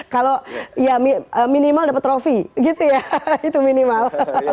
kalau ya minimal dapat trofi gitu ya itu minimal